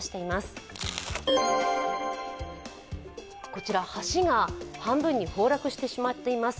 こちら、橋が半分に崩落してしまっています。